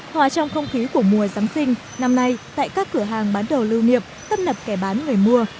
hòa trong không khí của mùa giáng sinh năm nay tại các cửa hàng bán đồ lưu niệm tấp nập kẻ bán người mua